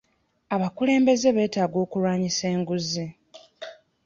Abakulembeze beetaaga okulwanyisa enguzi.